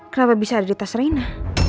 kenapa bisa ada di tas rina